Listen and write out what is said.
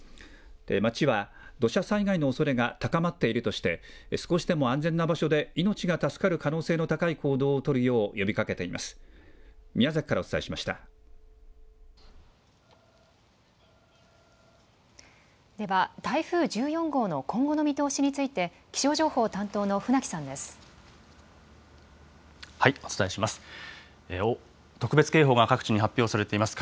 町は、土砂災害のおそれが高まっているとして、少しでも安全な場所で命が助かる可能性が高い行動をとるよう、呼びかけています。